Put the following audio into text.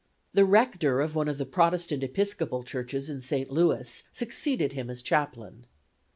The rector of one of the Protestant Episcopal churches in St. Louis succeeded him as chaplain.